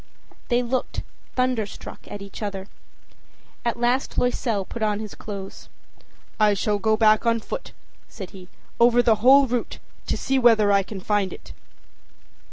â They looked, thunderstruck, at each other. At last Loisel put on his clothes. âI shall go back on foot,â said he, âover the whole route, to see whether I can find it.